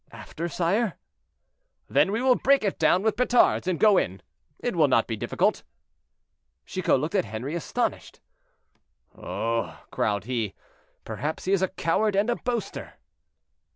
"After, sire?" "Then we will break it down with petards and go in. It will not be difficult." Chicot looked at Henri, astonished. "Oh!" growled he, "perhaps he is a coward and a boaster."